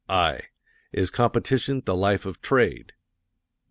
(i) "Is Competition 'the Life of Trade?'"